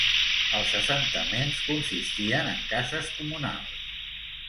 Els assentaments consistien en cases comunals.